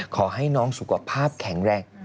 ขอให้น้องสุขภาพแข็งแรง